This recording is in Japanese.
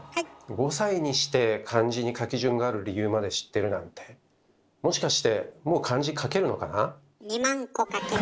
５歳にして漢字に書き順がある理由まで知ってるなんてもしかして２万個書けます。